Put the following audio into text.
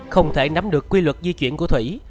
không thể nắm được quy luật di chuyển của thủy